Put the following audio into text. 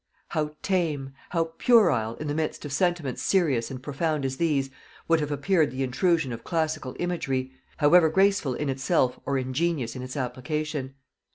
How tame, how puerile, in the midst of sentiments serious and profound as these, would have appeared the intrusion of classical imagery, however graceful in itself or ingenious in its application!